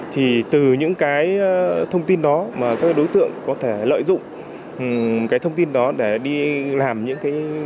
thì từ những cái thông tin đó mà các đối tượng có thể lợi dụng cái thông tin đó để đi làm những cái